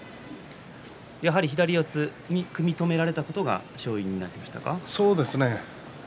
やはり左四つに組み止められたことが勝因になりますか？